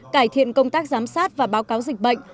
cải thiện công tác giám sát và báo cáo dịch bệnh